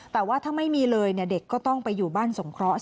แต่ว่าถ้าไม่มีเลยเด็กก็ต้องไปอยู่บ้านสงเคราะห์